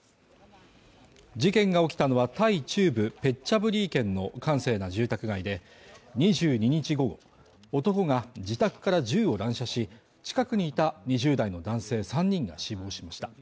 事件が起きたのはタイ中部ペッチャブリー県の閑静な住宅街で、２２日午後、男が自宅から銃を乱射し、近くにいた２０代の男性３人が死亡しました。